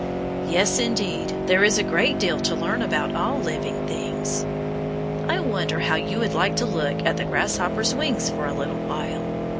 Yes, indeed, there is a great deal to learn about all living things. I wonder how you would like to look at the grasshopper's wings for a little while.